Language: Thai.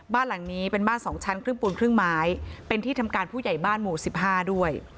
บ้านหลังนี้เป็นบ้านสองชั้นครึ่งปูนครึ่งไม้เป็นที่ทำการผู้ใหญ่บ้านหมู่สิบห้าด้วย